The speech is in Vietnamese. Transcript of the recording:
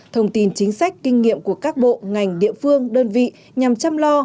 thông tin chính sách kinh nghiệm của các bộ ngành địa phương đơn vị nhằm chăm lo